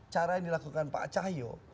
cara yang dilakukan pak cahyo